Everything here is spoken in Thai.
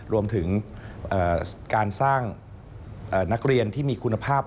รวมถึงการสร้างนักเรียนที่มีคุณภาพ